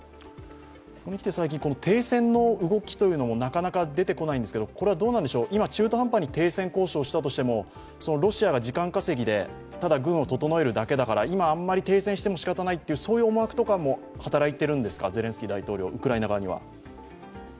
ここにきて停戦の動きもなかなか出てこないんですけど、これは今中途半端に停戦交渉したとしてもロシアが時間稼ぎでただ軍を整えるだけだから今あまり停戦してもしかたないという思惑とかも働いているんですか、ゼレンスキー大統領、ウクライナ側には。